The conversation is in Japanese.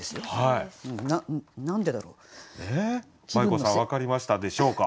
まい子さん分かりましたでしょうか。